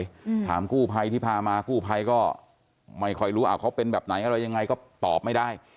อืมถามกู้ภัยที่พามากู้ภัยก็ไม่ค่อยรู้อ่าเขาเป็นแบบไหนอะไรยังไงก็ตอบไม่ได้